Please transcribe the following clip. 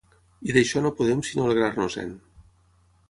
I d’això no podem sinó alegrar-nos-en.